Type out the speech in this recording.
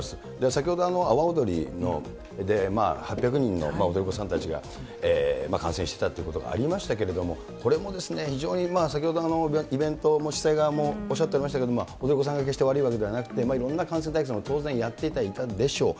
先ほど、阿波踊りで８００人の踊り子さんたちが感染してたということがありましたけれども、これも非常に先ほど、イベントの主催側もおっしゃっていましたけれども、踊り子さんだけが悪いわけではなくて、感染対策もやってはいたんでしょう。